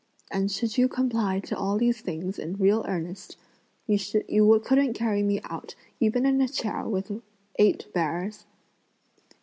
And should you comply to all these things in real earnest, you couldn't carry me out, even in a chair with eight bearers."